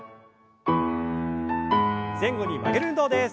前後に曲げる運動です。